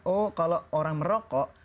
oh kalau orang merokok